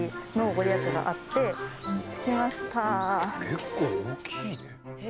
結構大きいね。